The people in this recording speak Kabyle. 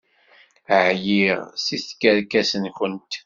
Ɛyiɣ seg tkerkas-nwent!